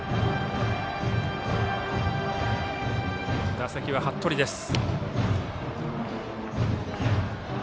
打席は八鳥です。